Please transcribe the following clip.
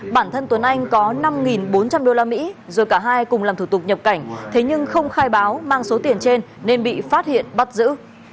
bản thân tuấn anh có năm bốn trăm linh usd rồi cả hai cùng làm thủ tục nhập cảnh thế nhưng không khai báo mang số tiền trên nên bị phát hiện bắt giữ